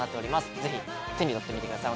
ぜひ手に取ってみてください